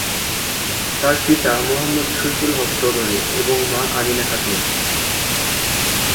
তার পিতা "মোহাম্মদ শফিকুল হক চৌধুরী" এবং মা "আমিনা খাতুন"।